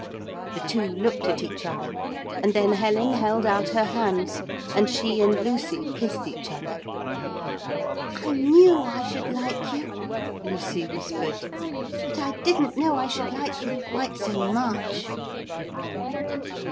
The two looked at each other, and then Helen held out her hands and she and Lucy kissed each other. 'I knew I should like you,' Lucy whispered, 'but I didn't know I should like you quite so much.'